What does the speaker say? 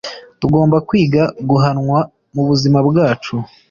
Tugomba kwiga guhanwa mubuzima bwacu.